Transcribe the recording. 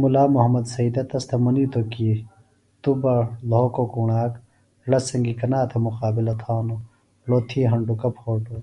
مُلا محمد سیدہ تس تھےۡ منِیتوۡ ہِنوۡ کی توۡ بہ لھوکو کݨاک ڑس سنگی کنا تھےۡ مقابلہ تھانوۡ ڑو تھی ہنڈوکہ پھوٹو